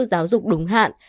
giáo dục đúng hạn